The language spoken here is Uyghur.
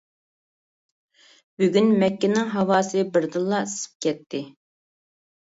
بۈگۈن مەككىنىڭ ھاۋاسى بىردىنلا ئىسسىپ كەتتى.